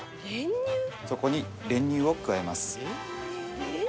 そこに練乳を加えます